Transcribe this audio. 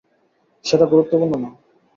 সেটা গুরুত্বপূর্ণ না।